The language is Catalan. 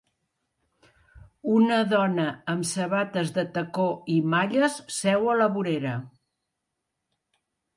Una dona amb sabates de tacó i malles seu a la vorera.